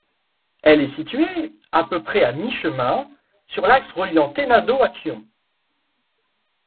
Elle est située, à peu près à mi-chemin, sur l'axe reliant Ténado à Kyon.